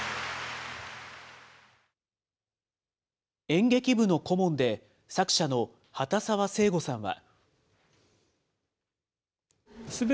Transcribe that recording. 演劇部の顧問で、作者の畑澤聖悟さんは。